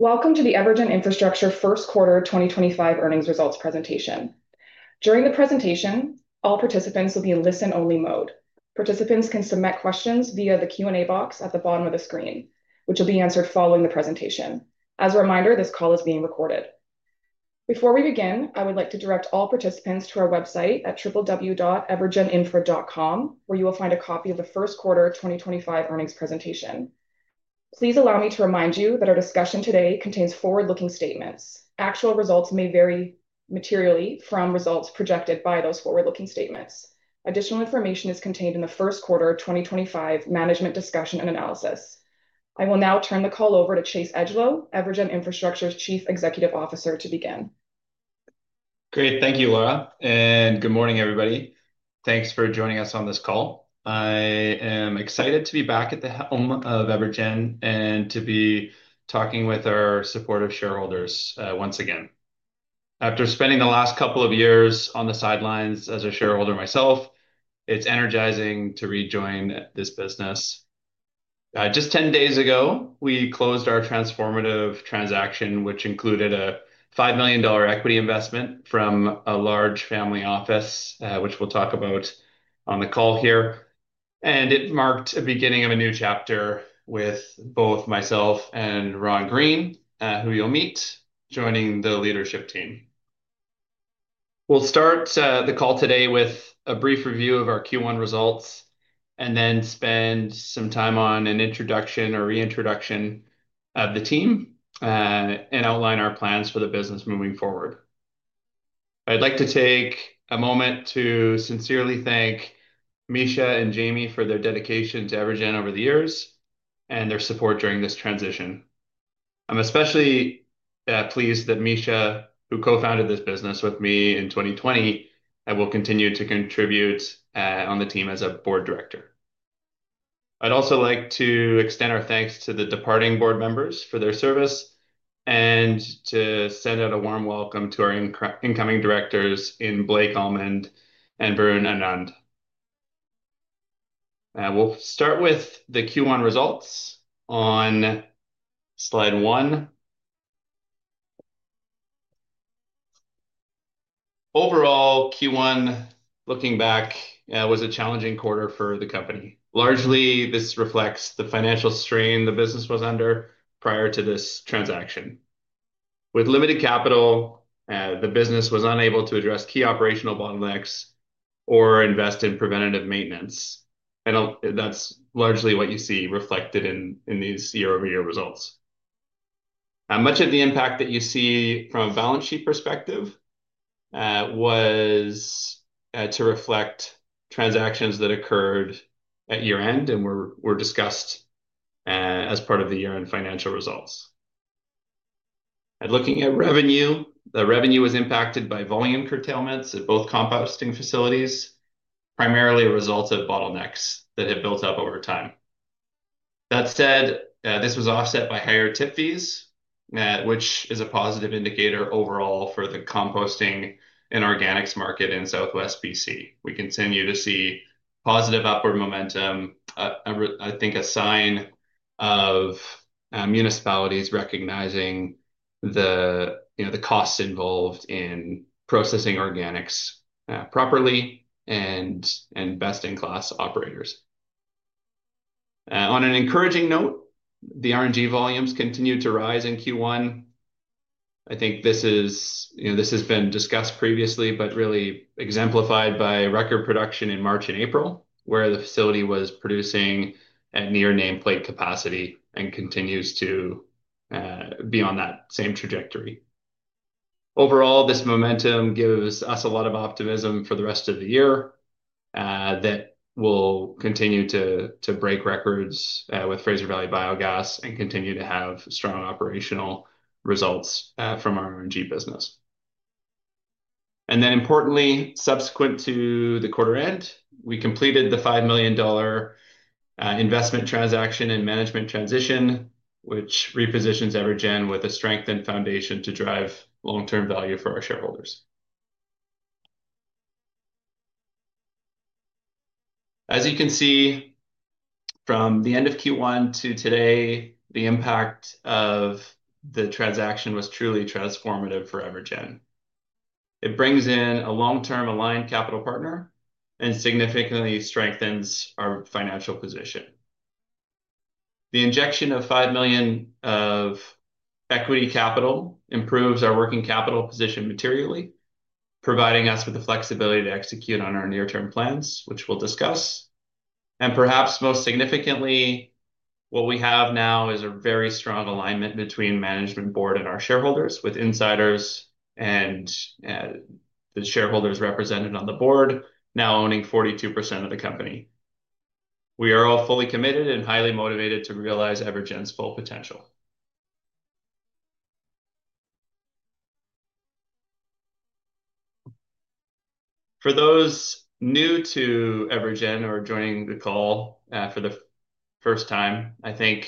Welcome to the EverGen Infrastructure Q2 2025 earnings results presentation. During the presentation, all participants will be in listen-only mode. Participants can submit questions via the Q&A box at the bottom of the screen, which will be answered following the presentation. As a reminder, this call is being recorded. Before we begin, I would like to direct all participants to our website at www.evergeninfra.com, where you will find a copy of the Q2 2025 earnings presentation. Please allow me to remind you that our discussion today contains forward-looking statements. Actual results may vary materially from results projected by those forward-looking statements. Additional information is contained in the Q2 2025 management discussion and analysis. I will now turn the call over to Chase Edgelow, EverGen Infrastructure's Chief Executive Officer, to begin. Great. Thank you, Laura. Good morning, everybody. Thanks for joining us on this call. I am excited to be back at the helm of EverGen and to be talking with our supportive shareholders once again. After spending the last couple of years on the sidelines as a shareholder myself, it's energizing to rejoin this business. Just 10 days ago, we closed our transformative transaction, which included a 5 million dollar equity investment from a large family office, which we'll talk about on the call here. It marked the beginning of a new chapter with both myself and Ron Green, who you'll meet joining the leadership team. We'll start the call today with a brief review of our Q1 results and then spend some time on an introduction or reintroduction of the team and outline our plans for the business moving forward. I'd like to take a moment to sincerely thank Misha and Jamie for their dedication to EverGen over the years and their support during this transition. I'm especially pleased that Misha, who co-founded this business with me in 2020, will continue to contribute on the team as a board director. I'd also like to extend our thanks to the departing board members for their service and to send out a warm welcome to our incoming directors in Blake Allmond and Burin Anand. We'll start with the Q1 results on slide one. Overall, Q1, looking back, was a challenging quarter for the company. Largely, this reflects the financial strain the business was under prior to this transaction. With limited capital, the business was unable to address key operational bottlenecks or invest in preventative maintenance. That's largely what you see reflected in these year-over-year results. Much of the impact that you see from a balance sheet perspective was to reflect transactions that occurred at year-end and were discussed as part of the year-end financial results. Looking at revenue, the revenue was impacted by volume curtailments at both composting facilities, primarily a result of bottlenecks that had built up over time. That said, this was offset by higher tip fees, which is a positive indicator overall for the composting and organics market in Southwest BC. We continue to see positive upward momentum, I think a sign of municipalities recognizing the costs involved in processing organics properly and best-in-class operators. On an encouraging note, the R&G volumes continued to rise in Q1. I think this has been discussed previously, but really exemplified by record production in March and April, where the facility was producing at near nameplate capacity and continues to be on that same trajectory. Overall, this momentum gives us a lot of optimism for the rest of the year that we'll continue to break records with Fraser Valley Biogas and continue to have strong operational results from our R&G business. Importantly, subsequent to the quarter-end, we completed the 5 million dollar investment transaction and management transition, which repositions EverGen with a strengthened foundation to drive long-term value for our shareholders. As you can see, from the end of Q1 to today, the impact of the transaction was truly transformative for EverGen. It brings in a long-term aligned capital partner and significantly strengthens our financial position. The injection of 5 million of equity capital improves our working capital position materially, providing us with the flexibility to execute on our near-term plans, which we'll discuss. Perhaps most significantly, what we have now is a very strong alignment between management, board, and our shareholders, with insiders and the shareholders represented on the board now owning 42% of the company. We are all fully committed and highly motivated to realize EverGen's full potential. For those new to EverGen or joining the call for the first time, I think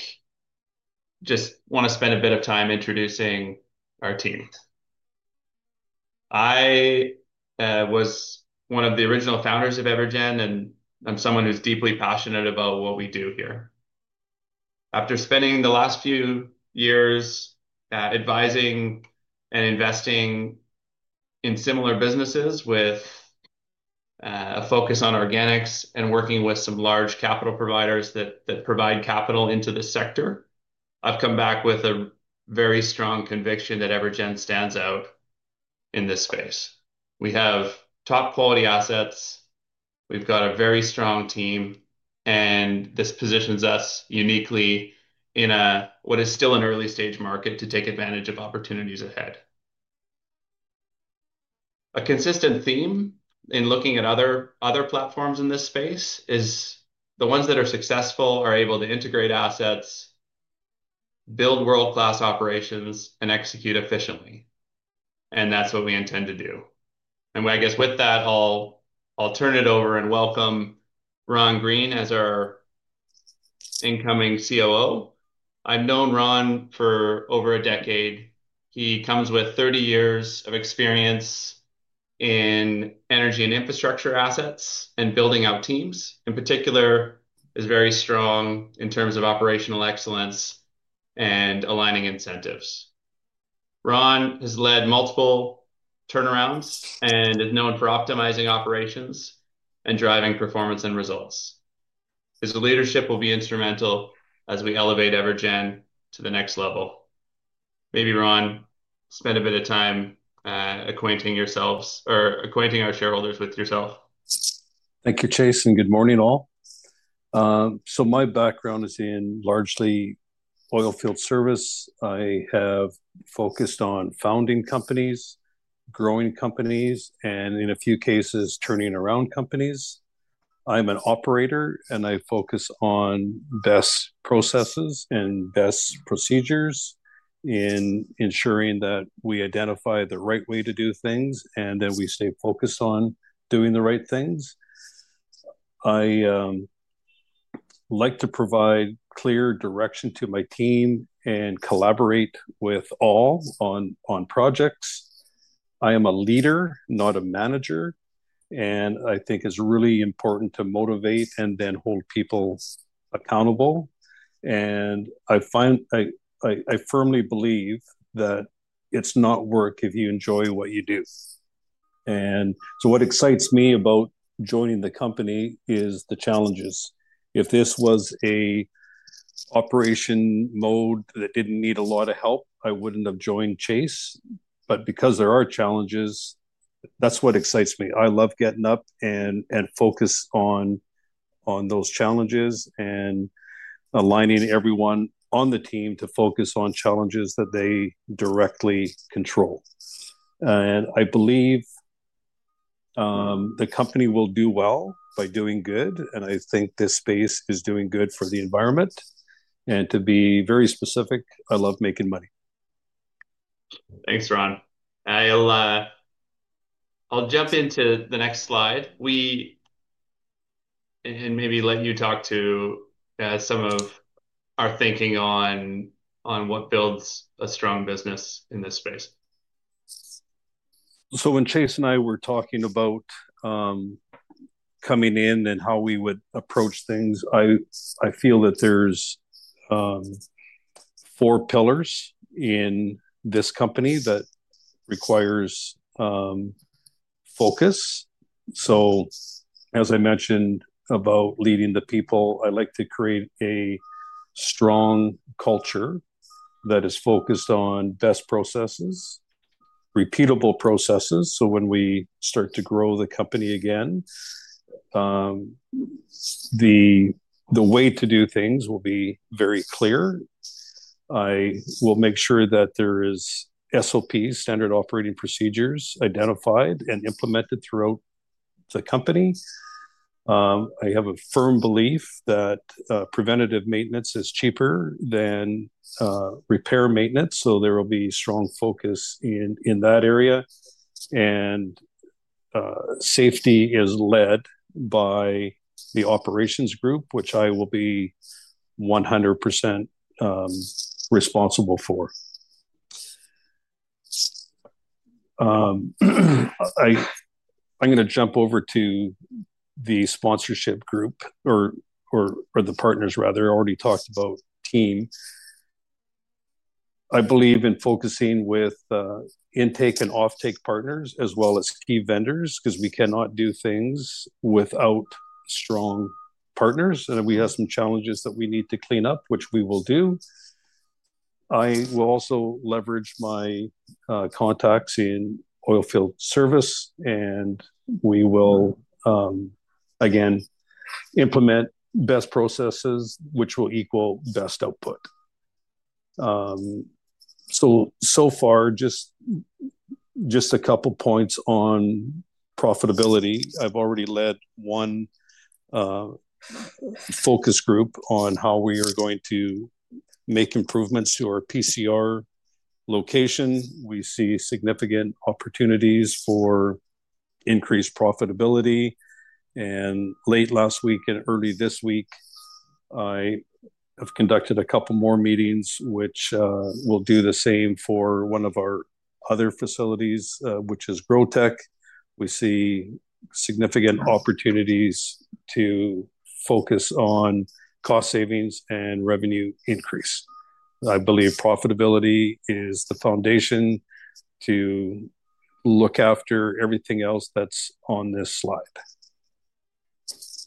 I just want to spend a bit of time introducing our team. I was one of the original founders of EverGen and I'm someone who's deeply passionate about what we do here. After spending the last few years advising and investing in similar businesses with a focus on organics and working with some large capital providers that provide capital into the sector, I've come back with a very strong conviction that EverGen stands out in this space. We have top quality assets. We've got a very strong team, and this positions us uniquely in what is still an early-stage market to take advantage of opportunities ahead. A consistent theme in looking at other platforms in this space is the ones that are successful are able to integrate assets, build world-class operations, and execute efficiently. That is what we intend to do. I guess with that, I'll turn it over and welcome Ron Green as our incoming Chief Operating Officer. I've known Ron for over a decade. He comes with 30 years of experience in energy and infrastructure assets and building out teams. In particular, he is very strong in terms of operational excellence and aligning incentives. Ron has led multiple turnarounds and is known for optimizing operations and driving performance and results. His leadership will be instrumental as we elevate EverGen to the next level. Maybe Ron, spend a bit of time acquainting our shareholders with yourself. Thank you, Chase. Good morning, all. My background is in largely oilfield service. I have focused on founding companies, growing companies, and in a few cases, turning around companies. I'm an operator, and I focus on best processes and best procedures in ensuring that we identify the right way to do things and that we stay focused on doing the right things. I like to provide clear direction to my team and collaborate with all on projects. I am a leader, not a manager, and I think it's really important to motivate and then hold people accountable. I firmly believe that it's not work if you enjoy what you do. What excites me about joining the company is the challenges. If this was an operation mode that did not need a lot of help, I would not have joined Chase. Because there are challenges, that's what excites me. I love getting up and focusing on those challenges and aligning everyone on the team to focus on challenges that they directly control. I believe the company will do well by doing good, and I think this space is doing good for the environment. To be very specific, I love making money. Thanks, Ron. I'll jump into the next slide and maybe let you talk to some of our thinking on what builds a strong business in this space. When Chase and I were talking about coming in and how we would approach things, I feel that there's four pillars in this company that require focus. As I mentioned about leading the people, I like to create a strong culture that is focused on best processes, repeatable processes. When we start to grow the company again, the way to do things will be very clear. I will make sure that there are SOPs, standard operating procedures, identified and implemented throughout the company. I have a firm belief that preventative maintenance is cheaper than repair maintenance, so there will be strong focus in that area. Safety is led by the operations group, which I will be 100% responsible for. I'm going to jump over to the sponsorship group or the partners, rather. I already talked about team. I believe in focusing with intake and offtake partners as well as key vendors because we cannot do things without strong partners. We have some challenges that we need to clean up, which we will do. I will also leverage my contacts in oilfield service, and we will, again, implement best processes, which will equal best output. Just a couple of points on profitability. I've already led one focus group on how we are going to make improvements to our PCR location. We see significant opportunities for increased profitability. Late last week and early this week, I have conducted a couple more meetings, which will do the same for one of our other facilities, which is Growtec. We see significant opportunities to focus on cost savings and revenue increase. I believe profitability is the foundation to look after everything else that's on this slide.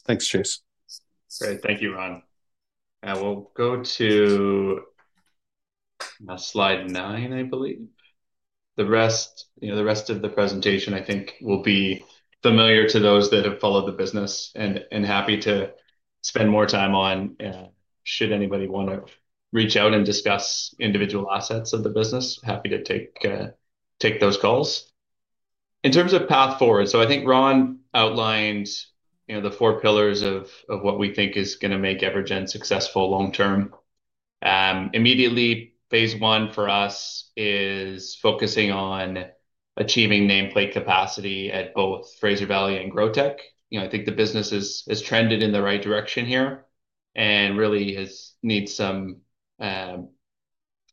Thanks, Chase. Great. Thank you, Ron. We'll go to slide nine, I believe. The rest of the presentation, I think, will be familiar to those that have followed the business and happy to spend more time on should anybody want to reach out and discuss individual assets of the business. Happy to take those calls. In terms of path forward, I think Ron outlined the four pillars of what we think is going to make EverGen successful long-term. Immediately, phase one for us is focusing on achieving nameplate capacity at both Fraser Valley and Growtec. I think the business has trended in the right direction here and really needs some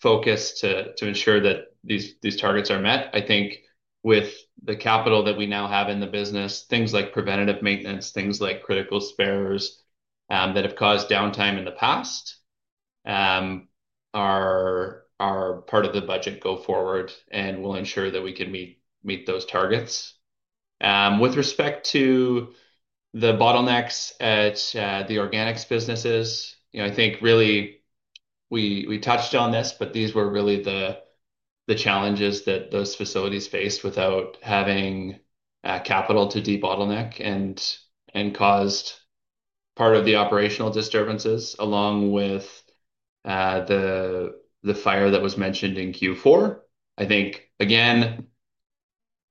focus to ensure that these targets are met. I think with the capital that we now have in the business, things like preventative maintenance, things like critical spares that have caused downtime in the past are part of the budget go forward and will ensure that we can meet those targets. With respect to the bottlenecks at the organics businesses, I think really we touched on this, but these were really the challenges that those facilities faced without having capital to de-bottleneck and caused part of the operational disturbances along with the fire that was mentioned in Q4. I think, again,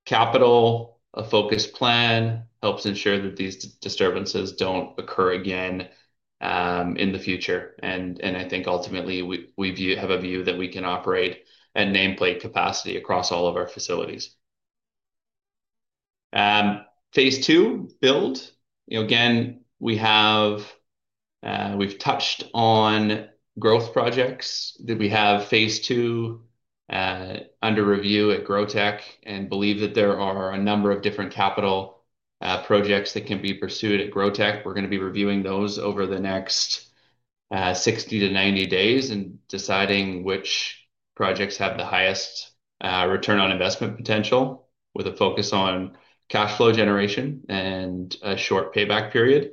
capital, a focused plan helps ensure that these disturbances do not occur again in the future. I think ultimately we have a view that we can operate at nameplate capacity across all of our facilities. Phase two, build. Again, we have touched on growth projects. We have phase two under review at Growtec and believe that there are a number of different capital projects that can be pursued at Growtec. We're going to be reviewing those over the next 60-90 days and deciding which projects have the highest return on investment potential with a focus on cash flow generation and a short payback period.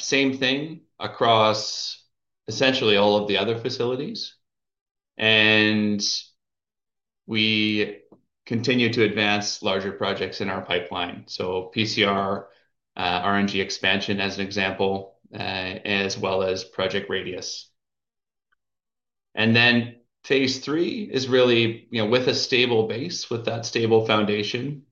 Same thing across essentially all of the other facilities. We continue to advance larger projects in our pipeline. PCR, R&G expansion as an example, as well as Project Radius. Phase three is really with a stable base, with that stable foundation,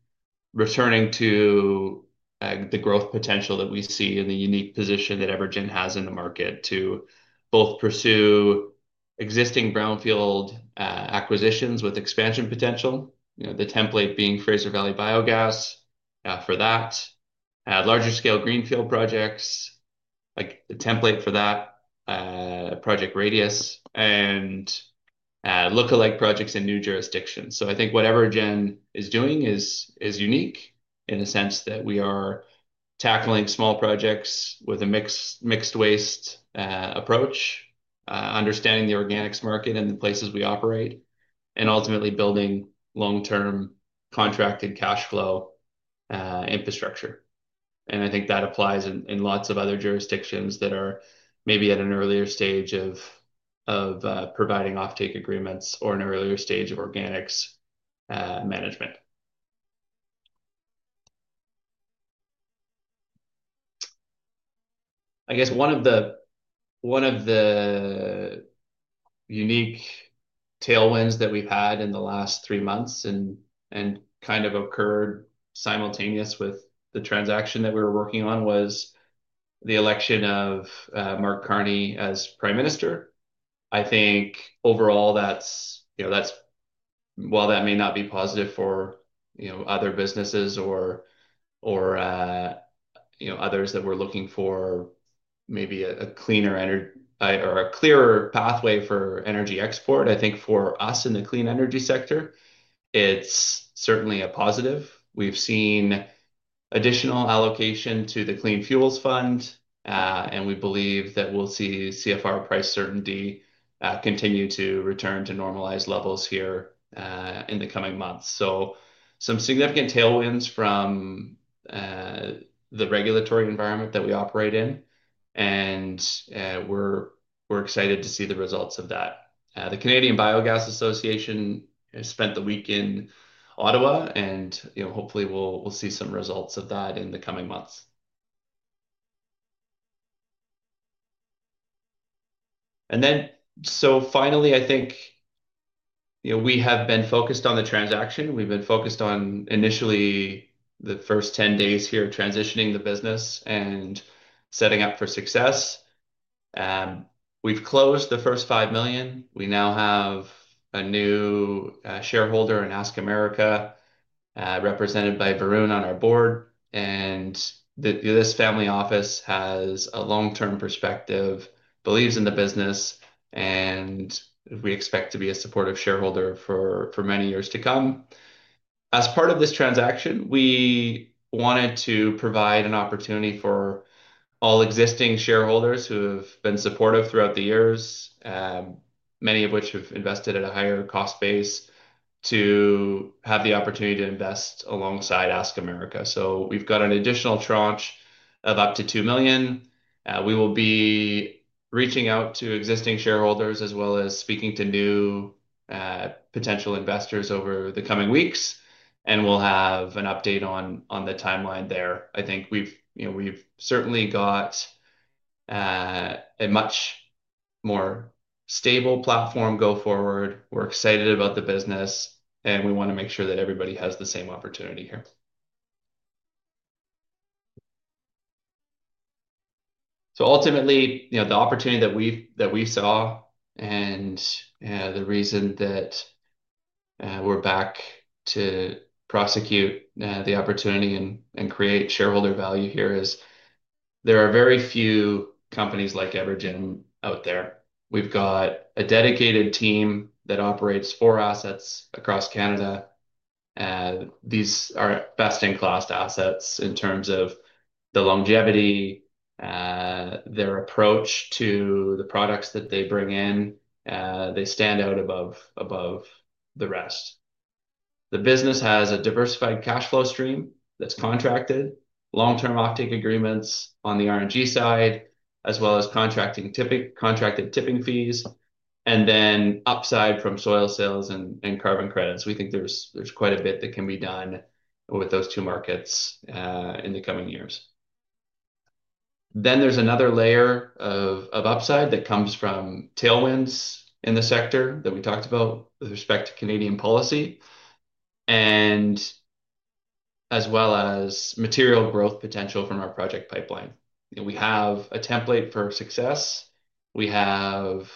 returning to the growth potential that we see in the unique position that EverGen has in the market to both pursue existing brownfield acquisitions with expansion potential, the template being Fraser Valley Biogas for that, larger scale greenfield projects, the template for that, Project Radius, and look-alike projects in new jurisdictions. I think what EverGen is doing is unique in the sense that we are tackling small projects with a mixed waste approach, understanding the organics market and the places we operate, and ultimately building long-term contracted cash flow infrastructure. I think that applies in lots of other jurisdictions that are maybe at an earlier stage of providing offtake agreements or an earlier stage of organics management. I guess one of the unique tailwinds that we've had in the last three months and kind of occurred simultaneous with the transaction that we were working on was the election of Mark Carney as Prime Minister. I think overall, while that may not be positive for other businesses or others that were looking for maybe a cleaner or a clearer pathway for energy export, I think for us in the clean energy sector, it's certainly a positive. We've seen additional allocation to the Clean Fuels Fund, and we believe that we'll see CFR price certainty continue to return to normalized levels here in the coming months. Some significant tailwinds from the regulatory environment that we operate in, and we're excited to see the results of that. The Canadian Biogas Association has spent the week in Ottawa, and hopefully we'll see some results of that in the coming months. Finally, I think we have been focused on the transaction. We've been focused on initially the first 10 days here transitioning the business and setting up for success. We've closed the first 5 million. We now have a new shareholder in Ask America, represented by Varun on our board. This family office has a long-term perspective, believes in the business, and we expect to be a supportive shareholder for many years to come. As part of this transaction, we wanted to provide an opportunity for all existing shareholders who have been supportive throughout the years, many of whom have invested at a higher cost base, to have the opportunity to invest alongside Ask America. We've got an additional tranche of up to 2 million. We will be reaching out to existing shareholders as well as speaking to new potential investors over the coming weeks, and we'll have an update on the timeline there. I think we've certainly got a much more stable platform going forward. We're excited about the business, and we want to make sure that everybody has the same opportunity here. Ultimately, the opportunity that we saw and the reason that we're back to prosecute the opportunity and create shareholder value here is there are very few companies like EverGen out there. We've got a dedicated team that operates four assets across Canada. These are best-in-class assets in terms of the longevity, their approach to the products that they bring in. They stand out above the rest. The business has a diversified cash flow stream that's contracted, long-term offtake agreements on the RNG side, as well as contracted tipping fees, and then upside from soil sales and carbon credits. We think there's quite a bit that can be done with those two markets in the coming years. There is another layer of upside that comes from tailwinds in the sector that we talked about with respect to Canadian policy, as well as material growth potential from our project pipeline. We have a template for success. We have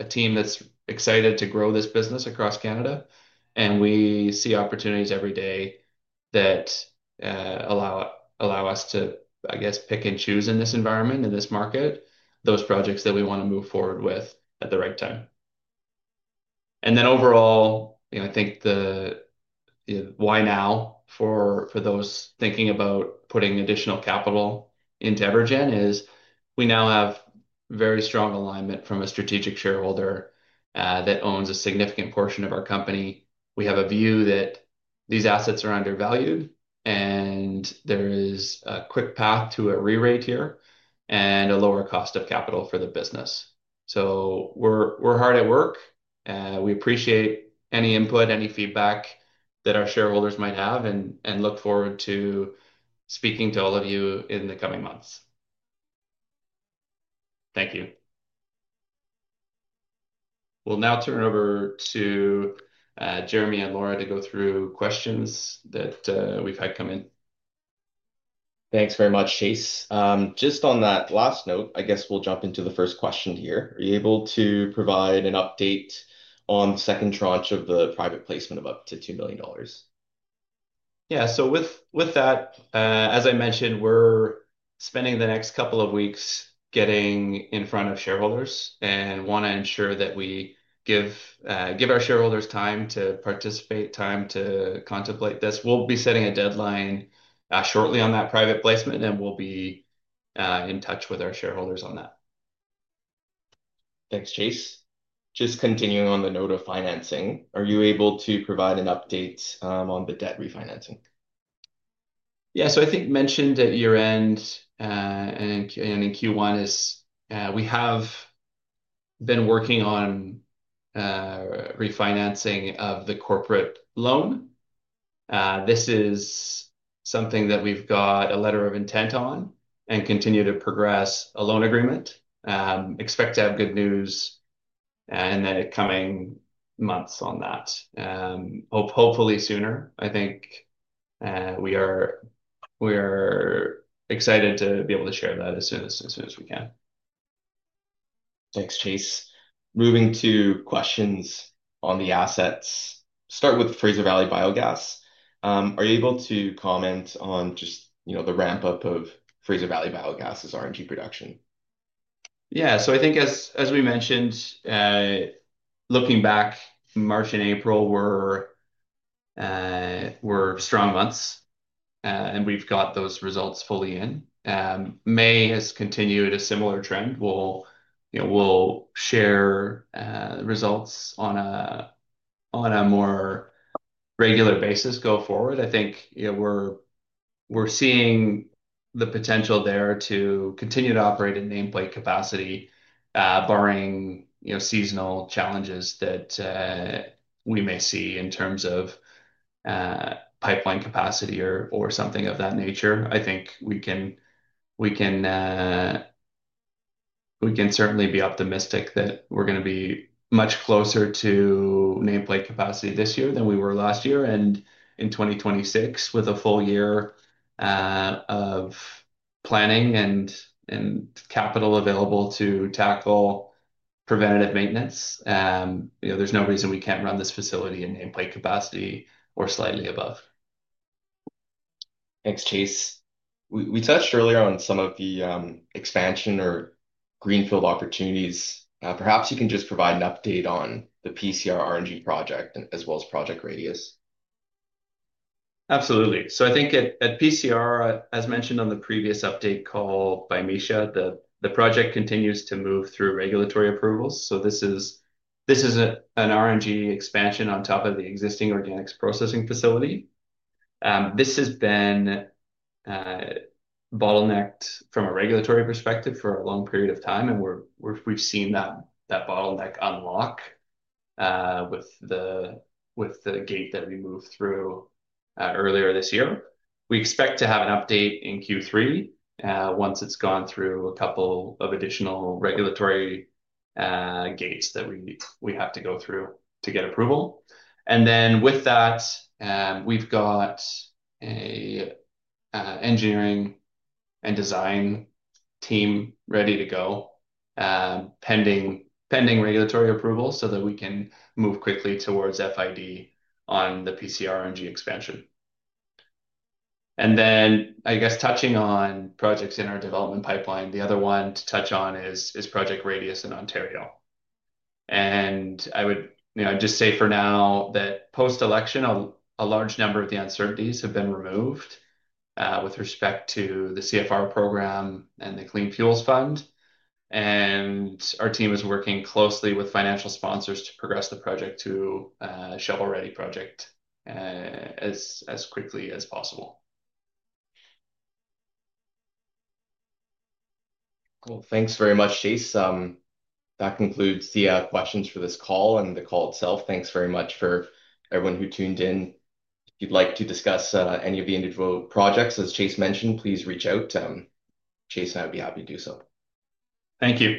a team that's excited to grow this business across Canada, and we see opportunities every day that allow us to, I guess, pick and choose in this environment, in this market, those projects that we want to move forward with at the right time. Overall, I think the why now for those thinking about putting additional capital into EverGen is we now have very strong alignment from a strategic shareholder that owns a significant portion of our company. We have a view that these assets are undervalued, and there is a quick path to a re-rater and a lower cost of capital for the business. We are hard at work. We appreciate any input, any feedback that our shareholders might have, and look forward to speaking to all of you in the coming months. Thank you. We will now turn it over to Jeremy and Laura to go through questions that we have had come in. Thanks very much, Chase. Just on that last note, I guess we'll jump into the first question here. Are you able to provide an update on the second tranche of the private placement of up to 2 million dollars? Yeah. With that, as I mentioned, we're spending the next couple of weeks getting in front of shareholders and want to ensure that we give our shareholders time to participate, time to contemplate this. We'll be setting a deadline shortly on that private placement, and we'll be in touch with our shareholders on that. Thanks, Chase. Just continuing on the note of financing, are you able to provide an update on the debt refinancing? Yeah. I think mentioned at year-end and in Q1 is we have been working on refinancing of the corporate loan. This is something that we've got a letter of intent on and continue to progress a loan agreement. Expect to have good news in the coming months on that. Hopefully sooner. I think we are excited to be able to share that as soon as we can. Thanks, Chase. Moving to questions on the assets. Start with Fraser Valley Biogas. Are you able to comment on just the ramp-up of Fraser Valley Biogas's RNG production? Yeah. I think as we mentioned, looking back, March and April were strong months, and we've got those results fully in. May has continued a similar trend. We'll share results on a more regular basis going forward. I think we're seeing the potential there to continue to operate in nameplate capacity, barring seasonal challenges that we may see in terms of pipeline capacity or something of that nature. I think we can certainly be optimistic that we're going to be much closer to nameplate capacity this year than we were last year. In 2026, with a full year of planning and capital available to tackle preventative maintenance, there's no reason we can't run this facility in nameplate capacity or slightly above. Thanks, Chase. We touched earlier on some of the expansion or greenfield opportunities. Perhaps you can just provide an update on the PCR R&G project as well as Project Radius. Absolutely. I think at PCR, as mentioned on the previous update called by Misha, the project continues to move through regulatory approvals. This is an R&G expansion on top of the existing organics processing facility. This has been bottlenecked from a regulatory perspective for a long period of time, and we've seen that bottleneck unlock with the gate that we moved through earlier this year. We expect to have an update in Q3 once it's gone through a couple of additional regulatory gates that we have to go through to get approval. With that, we've got an engineering and design team ready to go pending regulatory approval so that we can move quickly towards FID on the PCR R&G expansion. I guess touching on projects in our development pipeline, the other one to touch on is Project Radius in Ontario. I would just say for now that post-election, a large number of the uncertainties have been removed with respect to the CFR program and the Clean Fuels Fund. Our team is working closely with financial sponsors to progress the project to a shovel-ready project as quickly as possible. Cool. Thanks very much, Chase. That concludes the questions for this call and the call itself. Thanks very much for everyone who tuned in. If you'd like to discuss any of the individual projects, as Chase mentioned, please reach out. Chase and I would be happy to do so. Thank you.